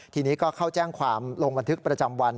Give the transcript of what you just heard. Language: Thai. ทีนี้ก็เข้าแจ้งความลงบันทึกประจำวัน